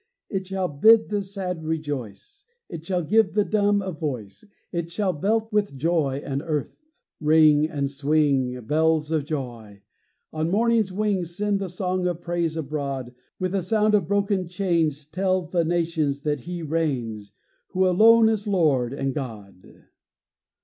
It shall bid the sad rejoice, It shall give the dumb a voice, It shall belt with joy the earth! Ring and swing, Bells of joy! On morning's wing Send the song of praise abroad! With a sound of broken chains Tell the nations that He reigns, Who alone is Lord and God!